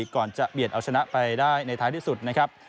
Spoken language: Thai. ก่อนจะเบียดเอาชนะไปได้ในท้ายที่สุดนะครับ